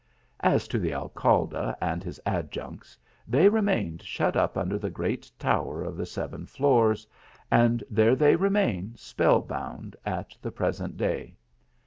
As to the Alcalde, and his adjuncts, they re mained shut up under the great tower of the Seven Floors, and there they remain spell bound at the present day.